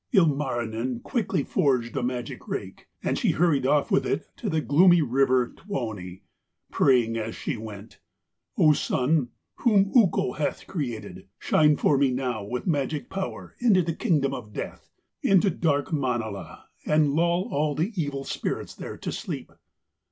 Ilmarinen quickly forged a magic rake, and she hurried off with it to the gloomy river Tuoni, praying as she went: 'O Sun, whom Ukko hath created, shine for me now with magic power into the kingdom of death, into dark Manala, and lull all the evil spirits there to sleep.'